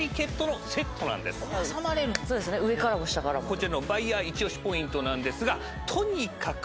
こちらのバイヤーイチオシポイントなんですがとにかく。